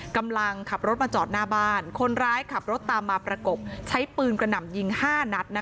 กำลังขับรถมาจอดหน้าบ้านคนร้ายขับรถตามมาประกบใช้ปืนกระหน่ำยิง๕นัด